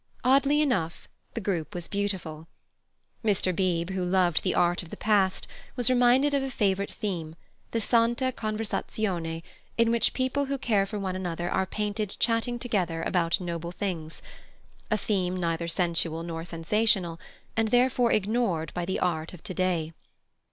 Oddly enough, the group was beautiful. Mr. Beebe, who loved the art of the past, was reminded of a favourite theme, the Santa Conversazione, in which people who care for one another are painted chatting together about noble things—a theme neither sensual nor sensational, and therefore ignored by the art of to day.